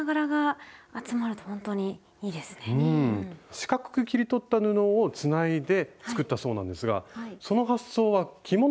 四角く切り取った布をつないで作ったそうなんですがその発想は着物リメイクからきているんですか？